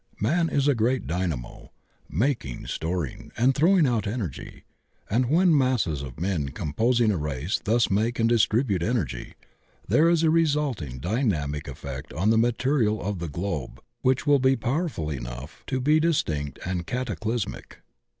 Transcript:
Man is a great dynamo, making, storing and throwing out energy, and when masses of men composing a race thus malce and distribute energy, there is a resulting dynamic effect on the material of the globe which will be pow erful enough to be distinct and cataclysmic.